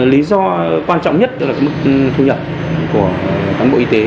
lý do quan trọng nhất tức là mức thu nhập của cán bộ y tế